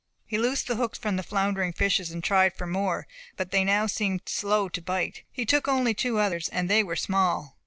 He loosed the hooks from the floundering fishes, and tried for more. But they now seemed slow to bite. He took only two others, and they were small.